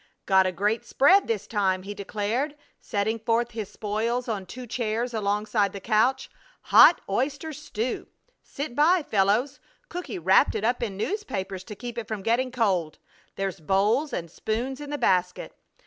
"Got a great spread this time," he declared, setting forth his spoils on two chairs alongside the couch. "Hot oyster stew! Sit by, fellows! Cooky wrapped it up in newspapers to keep it from getting cold. There's bowls and spoons in the basket.